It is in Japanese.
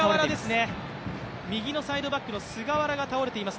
右サイドバックの菅原が倒れています。